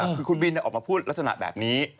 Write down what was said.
คือคุณบินออกมาพูดลักษณะแบบนี้